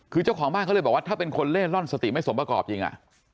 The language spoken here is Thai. คือเจ้าของบ้านเขาเลยบอกว่าถ้าเป็นคนเล่ร่อนสติไม่สมประกอบจริง